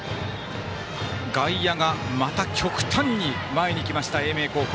外野がまた極端に前に来ました英明高校。